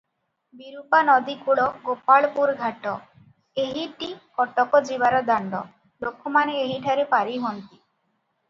ବିରୂପା ନଦୀକୂଳ-ଗୋପାଳପୁର ଘାଟ, ଏହିଟି କଟକ ଯିବାର ଦାଣ୍ତ; ଲୋକମାନେ ଏହିଠାରେ ପାରି ହୁଅନ୍ତି ।